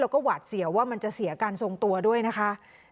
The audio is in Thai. แล้วก็หวาดเสียวว่ามันจะเสียการทรงตัวด้วยนะคะ